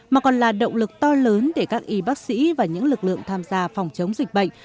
mà còn là động lực to lớn để các y bác sĩ và những lực lượng tham gia phòng chống dịch bệnh